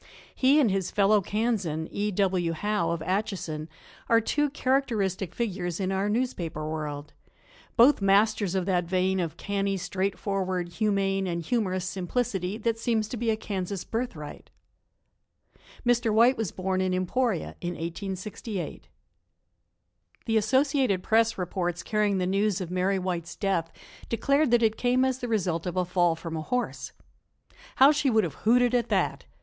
He and his fellow Kansan, E. W. Howe of Atchison, are two characteristic figures in our newspaper world, both masters of that vein of canny, straightforward, humane and humorous simplicity that seems to be a Kansas birthright. Mr. White was born in Emporia in 1868. THE Associated Press reports carrying the news of Mary White's death declared that it came as the result of a fall from a horse. How she would have hooted at that!